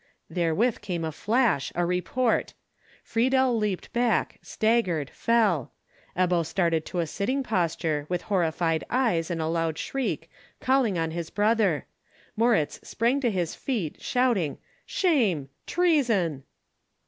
Therewith came a flash, a report; Friedel leaped back, staggered, fell; Ebbo started to a sitting posture, with horrified eyes, and a loud shriek, calling on his brother; Moritz sprang to his feet, shouting, "Shame! treason!"